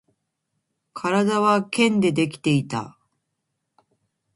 体は剣でできていた